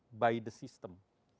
ini dilakukan by the system